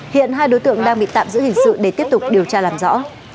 hiện hai đối tượng đang bị tạm giữ hình sự để tiếp tục điều tra làm rõ